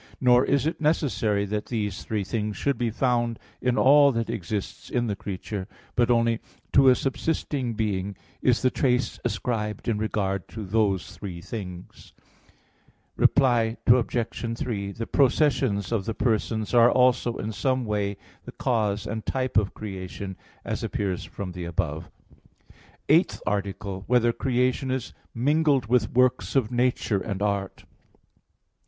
Nor is it necessary that these three things should be found in all that exists in the creature; but only to a subsisting being is the trace ascribed in regard to those three things. Reply Obj. 3: The processions of the persons are also in some way the cause and type of creation; as appears from the above (A. 6). _______________________ EIGHTH ARTICLE [I, Q. 45, Art. 8] Whether Creation Is Mingled with Works of Nature and Art?